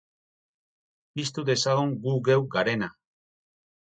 Piztu dezagun gu geu garena.